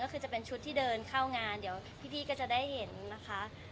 ก็คือจะเป็นชุดที่เดินเข้างานเดี๋ยวพี่ก็จะได้เห็นนะคะ